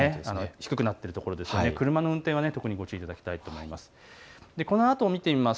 低くなっているところ、車の運転にはご注意いただきたいと思います。